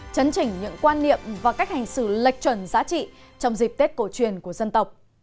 chấn chỉnh những quan niệm và cách hành xử lệch chuẩn giá trị trong dịp tết cổ truyền của dân tộc